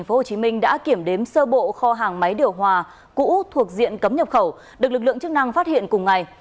tp hcm đã kiểm đếm sơ bộ kho hàng máy điều hòa cũ thuộc diện cấm nhập khẩu được lực lượng chức năng phát hiện cùng ngày